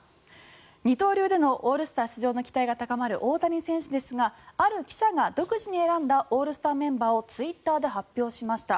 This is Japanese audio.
二刀流でのオールスター出場の期待が高まる大谷選手ですがある記者が独自に選んだオールスターメンバーをツイッターで発表しました。